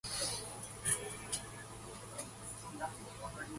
Hegg has also collaborated on "The Handsome Prince" with illustrator Kevin Cannon.